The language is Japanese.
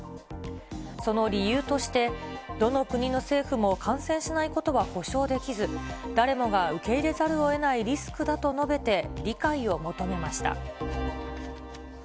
その理由として、どの国の政府も感染しないことは保証できず、誰もが受け入れざるをえないリスクだと述べて、理解を求めました。